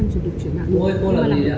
cô ơi cô làm gì vậy